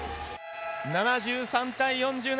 ７３対４７